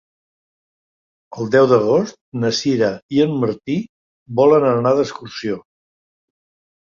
El deu d'agost na Sira i en Martí volen anar d'excursió.